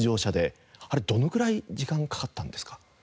あれどのぐらい時間かかったんですか？